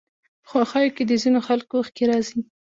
په خوښيو کې د ځينو خلکو اوښکې راځي.